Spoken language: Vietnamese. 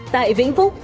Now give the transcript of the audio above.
tại vĩnh phúc